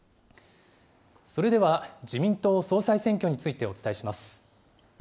それでは、自民党総裁選挙についてお伝えします。